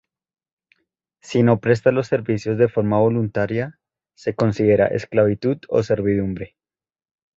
Si no presta los servicios de forma voluntaria, se considera esclavitud o servidumbre.